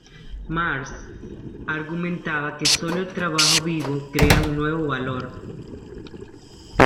Marx argumentaba que sólo el trabajo vivo crea un nuevo valor.